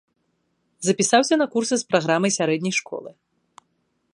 Запісаўся на курсы з праграмай сярэдняй школы.